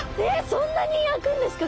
そんなに開くんですか？